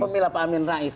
pemilai pak amin rais